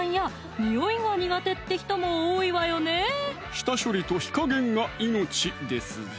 下処理と火加減が命ですぞ！